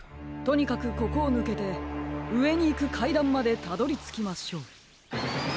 とにかくここをぬけてうえにいくかいだんまでたどりつきましょう。